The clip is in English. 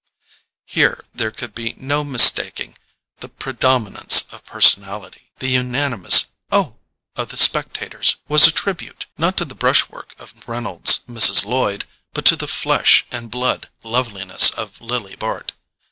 Here there could be no mistaking the predominance of personality—the unanimous "Oh!" of the spectators was a tribute, not to the brush work of Reynolds's "Mrs. Lloyd" but to the flesh and blood loveliness of Lily Bart.